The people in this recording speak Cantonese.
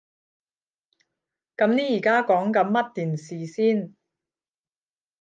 噉你而家講緊乜電視先？